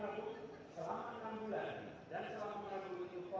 dengan cara seperti itu suara dari jakarta bisa